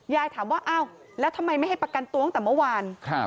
ยายถามว่าอ้าวแล้วทำไมไม่ให้ประกันตัวตั้งแต่เมื่อวาน